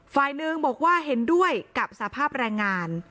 ฝ่ายหนึ่งบอกว่าเห็นด้วยกับสภาพแรงงาน